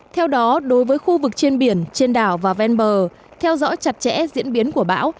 theo đó đối với khu vực trên biển trên đảo và ven bờ theo dõi chặt chẽ diễn biến của bão